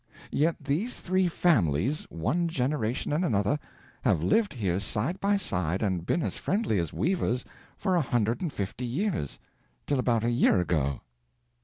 Yet these three families, one generation and another, have lived here side by side and been as friendly as weavers for a hundred and fifty years, till about a year ago."